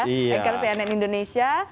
rekan cnn indonesia